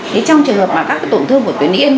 thế trong trường hợp mà các cái tổn thương của tuyến yên